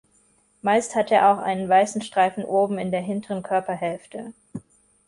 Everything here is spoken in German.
Meist hat er auch einen weißen Streifen oben in der hinteren Körperhälfte.